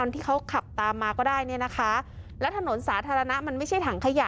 ที่เขาขับตามมาก็ได้เนี่ยนะคะแล้วถนนสาธารณะมันไม่ใช่ถังขยะ